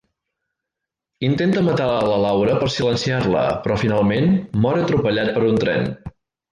Intenta matar a Laura per silenciar-la; però finalment mor atropellat per un tren.